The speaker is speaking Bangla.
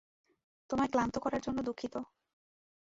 তোমায় ক্লান্ত করার জন্য দুঃখিত।